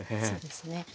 そうですね